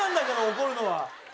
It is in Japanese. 怒るのは。